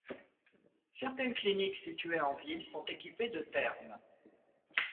Certaines cliniques situées en ville sont équipées de thermes.